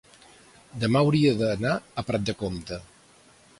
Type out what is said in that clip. demà hauria d'anar a Prat de Comte.